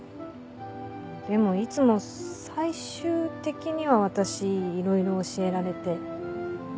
でもいつも最終的には私いろいろ教えられて。